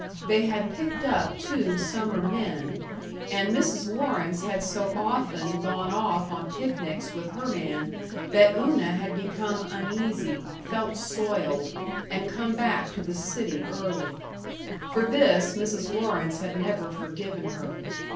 They had picked up two summer men, and Mrs. Lawrence had so often gone off on picnics with her man that Una had become uneasy, felt soiled, and come back to the city early. For this Mrs. Lawrence had never forgiven her.